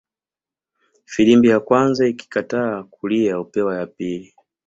Filimbi ya kwanza ikikataa kulia hupewa ya pili